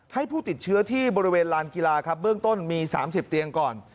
ผู้ติดเชื้อที่บริเวณลานกีฬาครับเบื้องต้นมี๓๐เตียงก่อน